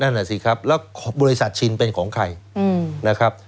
นั่นแหละสิครับแล้วบริษัทชินเป็นของใครนะครับ